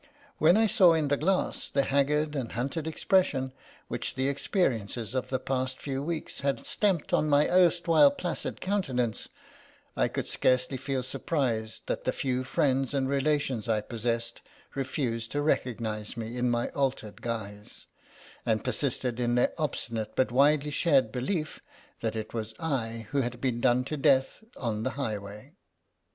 When I saw in the glass the haggard and hunted expression which the experiences of the past few weeks had stamped on my erstwhile placid countenance, I could scarcely feel surprised that the few friends and relations I possessed refused to recognise me in my altered guise, and per sisted in their obstinate but widely shared belief that it was I who had been done to death on the highway.